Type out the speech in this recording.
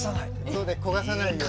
そうね焦がさないように。